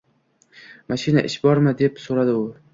mashina, "Ish bormi?" - deb so'radi u